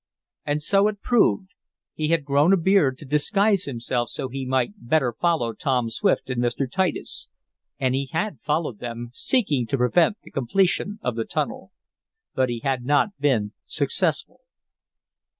And so it proved. He had grown a beard to disguise himself so he might better follow Tom Swift and Mr. Titus. And he had followed them, seeking to prevent the completion of the tunnel. But he had not been successful.